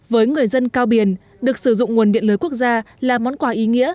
với người dân cao biển được sử dụng nguồn điện lưới quốc gia là món quà ý nghĩa